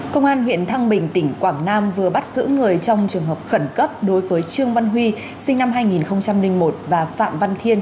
công an huyện thăng bình tỉnh quảng nam vừa bắt giữ người trong trường hợp khẩn cấp đối với trương văn huy sinh năm hai nghìn một và phạm văn thiên